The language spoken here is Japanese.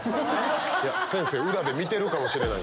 先生裏で見てるかもしれない。